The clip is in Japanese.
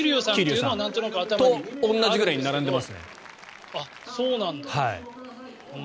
それと同じくらいに並んでいますね。